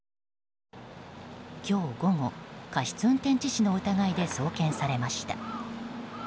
今日午後、過失運転致死の疑いで送検されました。